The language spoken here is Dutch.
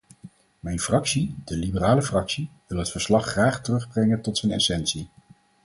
Mijn fractie, de liberale fractie, wil het verslag graag terugbrengen tot zijn essentie.